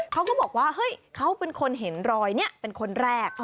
เขาก็บอกว่าเฮ้ยเขาเป็นคนเห็นรอยนี้เป็นคนแรก